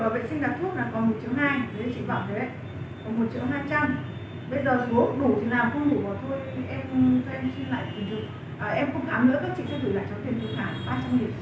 bệnh thuốc là còn một triệu hai đấy chị bảo thế còn một triệu hai trăm linh bây giờ số đủ thì làm không đủ bỏ thôi em không thay đổi lại thì được em không khám nữa các chị sẽ gửi lại cho tiền thuốc khả ba trăm linh